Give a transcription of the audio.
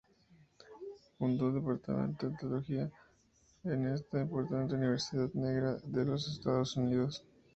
Fundó el Departamento de Etnología en esta importante universidad "negra" de los Estados Unidos.